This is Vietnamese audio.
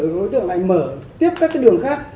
đối tượng lại mở tiếp các đường khác